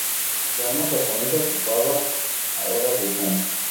La armada japonesa ocupaba ahora Busan.